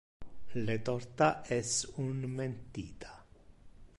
Le torta es un mentita.